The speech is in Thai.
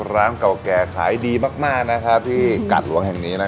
ร้านเก่าแก่ขายดีมากนะครับที่กาดหลวงแห่งนี้นะ